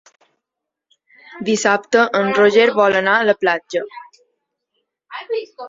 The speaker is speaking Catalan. Dissabte en Roger vol anar a la platja.